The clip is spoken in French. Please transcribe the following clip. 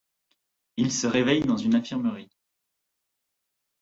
Il se réveille dans une infirmerie.